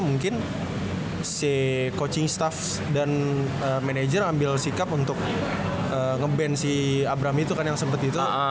mungkin si coaching staff dan manajer ambil sikap untuk nge ban si abrami itu kan yang sempat itu